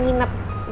gak ada orang